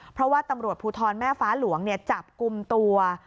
เพราะว่าตำรวจภูทรแม่ฟ้าหลวงจับกลุ่มตัว